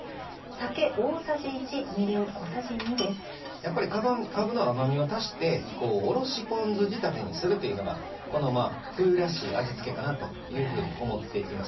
やっぱり、かぶの甘みを足しておろしポン酢仕立てにするっていうのがこの冬らしい味付けかなというふうに思っています。